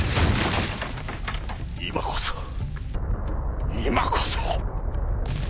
今こそ今こそ！